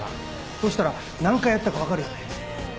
そしたら何回やったか分かるよね？